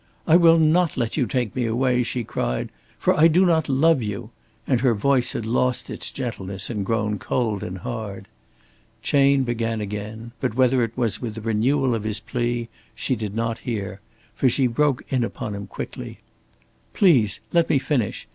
"I will not let you take me away," she cried. "For I do not love you"; and her voice had lost its gentleness and grown cold and hard. Chayne began again, but whether it was with a renewal of his plea, she did not hear. For she broke in upon him quickly: "Please, let me finish.